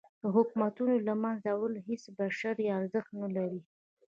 د حکومتونو له منځه وړل هیڅ بشري ارزښت نه لري.